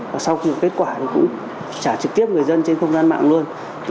và sau khi kết quả thì cũng trả trực tiếp người dân trên không gian mạng luôn